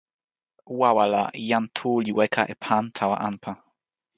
wawa la, jan Tu li weka e pan tawa anpa.